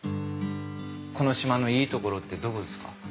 この島のいいところってどこですか？